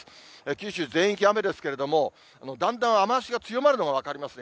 九州全域雨ですけれども、だんだん雨足が強まるのが分かりますね。